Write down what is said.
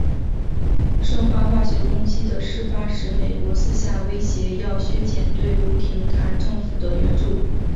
顺化化学攻击的事发使美国私下威胁要削减对吴廷琰政府的援助。